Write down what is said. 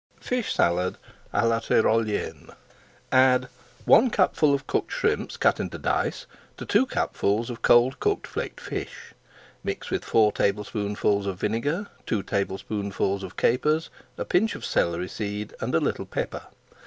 [Page 482] FISH SALAD À LA TYROLIENNE Add one cupful of cooked shrimps, cut into dice, to two cupfuls of cold cooked flaked fish. Mix with four tablespoonfuls of vinegar, two tablespoonfuls of capers, a pinch of celery seed, and a little pepper.